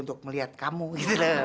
untuk melihat kamu gitu loh